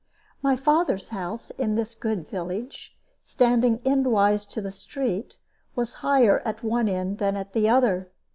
My father's house, in this good village, standing endwise to the street, was higher at one end than at the other.